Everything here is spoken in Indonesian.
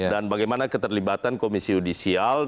dan bagaimana keterlibatan komisi audisial